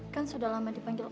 kan sudah lama dipanggil